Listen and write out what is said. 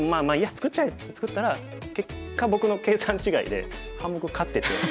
作っちゃえ！」って作ったら結果僕の計算違いで半目勝ってて。